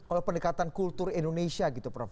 oleh pendekatan kultur indonesia gitu prof